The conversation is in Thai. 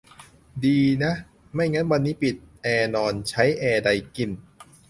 ดีนะ ไม่งั้นวันนี้ปิดแอร์นอน ใช้แอร์ไดกิ้น